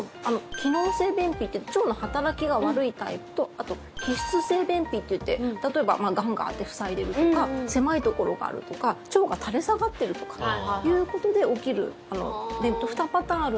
機能性便秘といって腸の働きが悪いタイプと器質性便秘といって、例えばがんがあって塞いでいるとか狭いところがあるとか腸が垂れ下がっているとかということで起きる便秘の２パターンある。